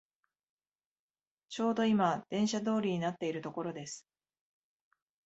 ちょうどいま電車通りになっているところです